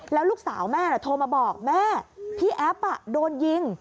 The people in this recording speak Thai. แล้วลูกสาวแม่โทรมาบอกแม่พี่แอฟโดนยิง